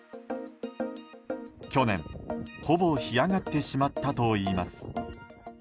去年、ほぼ干上がってしまったといいます。